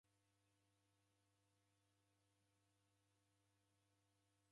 Ikanisa jechura miradi chiki.